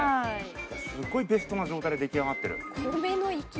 すごいベストな状態で出来上がってる。